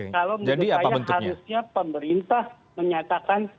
kalau menurut saya harusnya pemerintah menyatakan